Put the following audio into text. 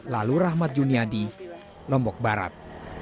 lalu rahmat juniadi lombok barat